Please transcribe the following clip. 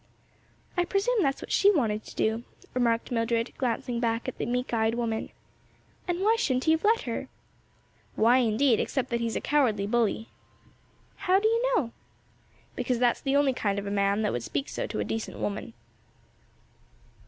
"I presume that's what she wanted to do," remarked Mildred, glancing back at the meek eyed woman. "And why shouldn't he have let her?" "Why, indeed, except that he's a cowardly bully." "How do you know?" "Because that's the only kind of man that would speak so to a decent woman."